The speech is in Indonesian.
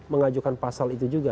mengajukan pasal itu